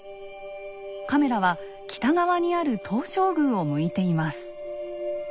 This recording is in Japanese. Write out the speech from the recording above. カメラは北側にある東照宮を向いています。